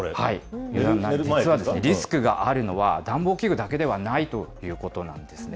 実はですね、リスクがあるのは、暖房器具だけではないということなんですね。